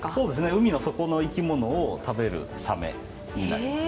海の底の生き物を食べるサメになります。